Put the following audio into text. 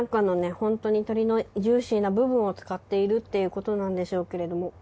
ホントに鶏のジューシーな部分を使っているっていうことなんでしょうけれども。